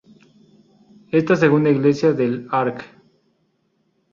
Esta segunda iglesia del Arq.